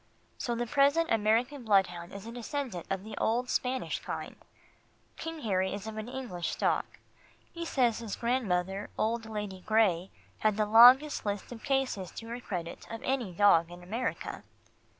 So the present American bloodhound is a descendant of the old Spanish kind. King Harry is of English stock. He says his grandmother, old Lady Gray, had the longest list of cases to her credit of any dog in America.